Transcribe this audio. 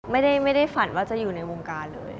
ไม่ได้ฝันว่าจะอยู่ในวงการเลย